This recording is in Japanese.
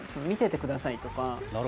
見ててくださいとか。